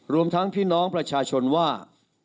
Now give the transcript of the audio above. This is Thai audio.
รวมทั้งพี่น้องประชาชนว่า